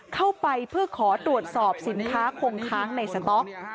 เข้าไปเพื่อขอตรวจสอบสินค้าคงค้างในสต๊อก